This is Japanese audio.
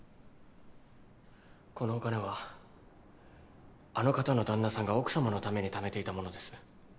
このお金はあの方の旦那さんが奥様のためにためていたものです。